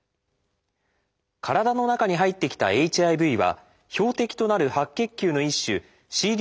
体の中に入ってきたＨＩＶは標的となる白血球の一種ＣＤ